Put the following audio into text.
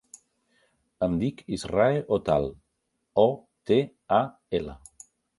Em dic Israe Otal: o, te, a, ela.